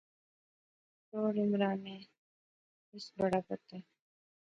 چھوڑ عمرانے، اس بڑا پتہ